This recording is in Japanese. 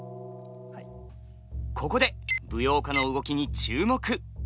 ここで舞踊家の動きに注目。